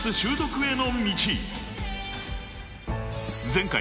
［前回］